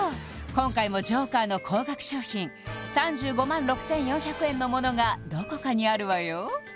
今回もジョーカーの高額商品３５万６４００円のものがどこかにあるわよ